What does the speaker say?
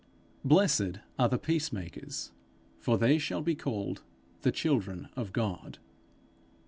'Blessed are the peace makers, for they shall be called the children of God.'